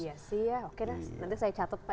iya sih ya oke dah nanti saya catet pak iqbal